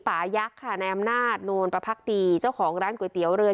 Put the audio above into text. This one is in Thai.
ยักษ์ค่ะในอำนาจโนนประพักตีเจ้าของร้านก๋วยเตี๋ยวเรือ